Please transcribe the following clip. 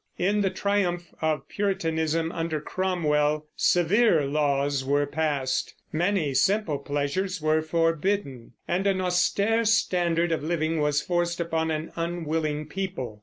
In the triumph of Puritanism under Cromwell severe laws were passed, many simple pleasures were forbidden, and an austere standard of living was forced upon an unwilling people.